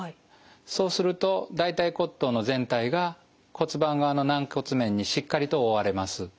そうすると大腿骨頭の全体が骨盤側の軟骨面にしっかりと覆われます。